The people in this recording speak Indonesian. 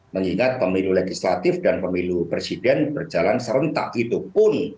mengingat pemilu legislatif dan pemilu presiden berjalan serentak itu pun